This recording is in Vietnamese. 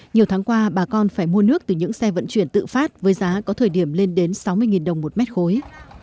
nhiều tháng qua bà con phải mua nước từ những xe vận chuyển tự phát với giá có thời điểm lên đến sáu mươi đồng một mét khối